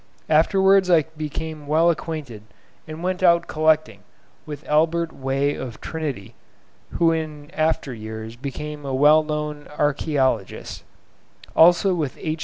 Afterwards I became well acquainted, and went out collecting, with Albert Way of Trinity, who in after years became a well known archaeologist; also with H.